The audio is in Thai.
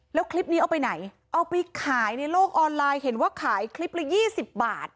แล้วคลิปนี้เอาไปไหนเอาไปขายในโลกออนไลน์เห็นว่าขายคลิปละยี่สิบบาท